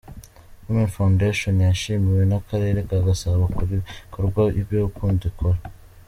Women Foundation yashimiwe n'akarere ka Gasabo ku bikorwa by'urukundo ikora.